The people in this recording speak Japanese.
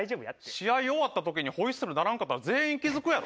試合終わったときに、ホイッスル鳴らなかったら全員気付くやろ。